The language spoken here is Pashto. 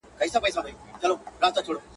که دیدن غواړې د ښکلیو دا د بادو پیمانه ده.